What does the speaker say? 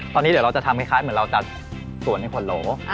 ตอนนี้เดี๋ยวเราจะทำคล้ายเหมือนเราจะสวนในขวดโหล